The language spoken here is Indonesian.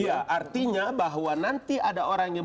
iya artinya bahwa nanti ada orang yang